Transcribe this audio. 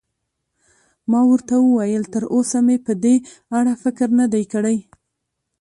ما ورته وویل: تراوسه مې په دې اړه فکر نه دی کړی.